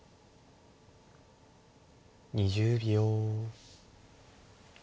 ２０秒。